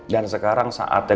dan sekarang saatnya